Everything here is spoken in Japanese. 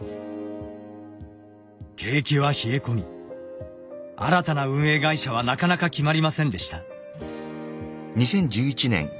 景気は冷え込み新たな運営会社はなかなか決まりませんでした。